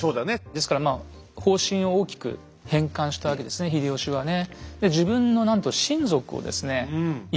ですからまあ方針を大きく変換したわけですね秀吉はね。